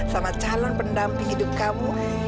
sama calon pendamping hidup kamu